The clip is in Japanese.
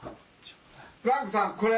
フランクさんこれ。